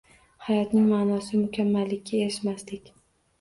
Hayotning ma'nosi mukammallikka erishmaslik.